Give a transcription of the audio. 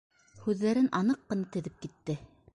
Һүҙҙәрен аныҡ ҡына теҙеп китте.